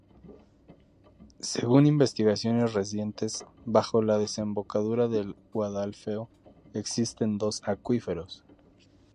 Según investigaciones recientes, bajo la desembocadura del Guadalfeo, existen dos acuíferos.